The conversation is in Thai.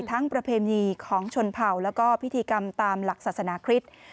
ประเพณีของชนเผ่าแล้วก็พิธีกรรมตามหลักศาสนาคริสต์